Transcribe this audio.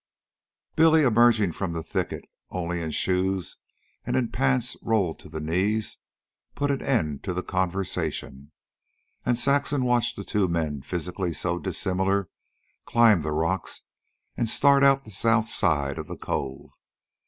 Billy, emerging from the thicket, only in shoes and in pants rolled to the knees, put an end to the conversation; and Saxon watched the two men, physically so dissimilar, climb the rocks and start out the south side of the cove.